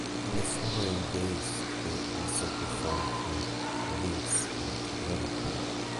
In the following days they also performed in Leeds and Liverpool.